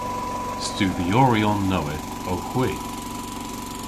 Studhyoryon nowydh owgh hwi.